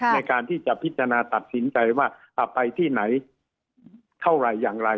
ในการที่จะพิจารณาตัดสินใจว่าไปที่ไหนเท่าไหร่อย่างไร